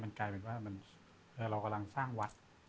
กลายเป็นว่าเรากำลังสร้างวัด